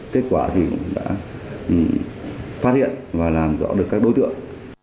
kết quả thì đã phát hiện và làm rõ được các đối tượng